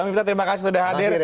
bang miftah terima kasih sudah hadir